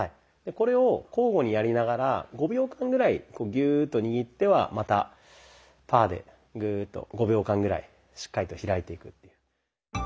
これを交互にやりながら５秒間ぐらいギューッと握ってはまたパーでグーッと５秒間ぐらいしっかりと開いていくっていう。